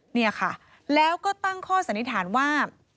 เนี่ยค่ะแล้วก็ตั้งข้อสันนิษฐานว่า